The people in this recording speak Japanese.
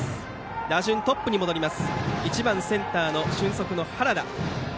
打順はトップに戻って１番センター、俊足の原田。